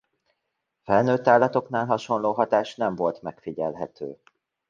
Felnőtt állatoknál hasonló hatás nem volt megfigyelhető.